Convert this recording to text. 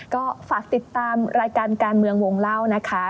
ก็ฝากติดตามรายการการเมืองวงเล่านะคะ